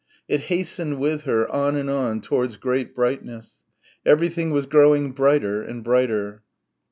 It hastened with her, on and on towards great brightness.... Everything was growing brighter and brighter....